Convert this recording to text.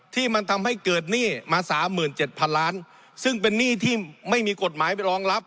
ที่มันทำให้เกิดหนี้มาสามหมื่นเจ็ดพันล้านซึ่งเป็นหนี้ที่ไม่มีกฎหมายไปรองรับ